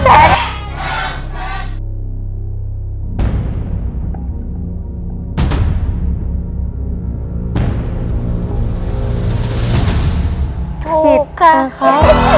ผิดค่ะ